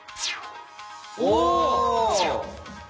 お！